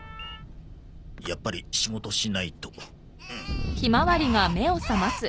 やっぱり仕事しないと。